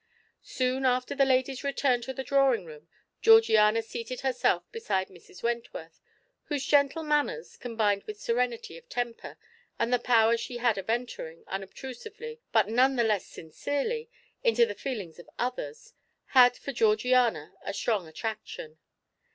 Soon after the ladies returned to the drawing room Georgiana seated herself beside Mrs. Wentworth, whose gentle manners, combined with serenity of temper and the power she had of entering, unobtrusively, but none the less sincerely, into the feelings of others, had for Georgiana a strong attraction.